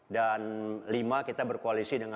dan lima kita berkoalisi dengan enam kader